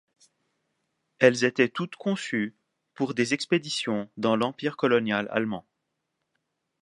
Elles étaient toutes conçues pour des expéditions dans l'Empire colonial allemand.